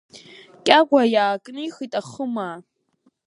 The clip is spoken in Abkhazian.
Кьагәа иаакнихит ахымаа.